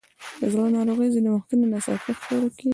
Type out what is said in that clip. د زړه ناروغۍ ځینې وختونه ناڅاپي ښکاره کېږي.